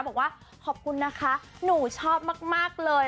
บอกว่าขอบคุณนะคะหนูชอบมากเลย